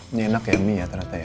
ini enak ya mie ya ternyata ya